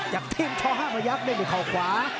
จากทีมท้อ๕ระยักษ์เล่นโดยเขาขวา